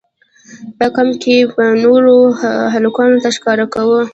په کمپ کښې به مې نورو هلکانو ته ښکاره کاوه.